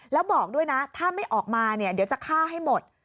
แล้วบอกด้วยนะถ้าไม่ออกมาเนี่ยเดี๋ยวจะฆ่าให้หมด